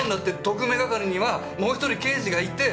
特命係にはもう１人刑事がいて。